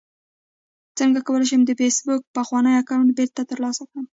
څنګه کولی شم د فېسبوک پخوانی اکاونټ بیرته ترلاسه کړم